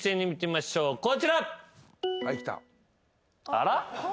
あら？